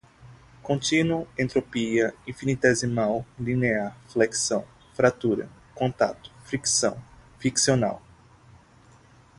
Contínuo, entropia, infinitesimal, linear, flexão, fratura, contato, fricção, friccional